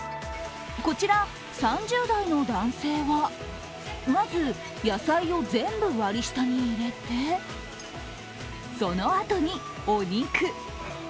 こちら、３０代の男性はまず野菜を全部割り下に入れてそのあとにお肉。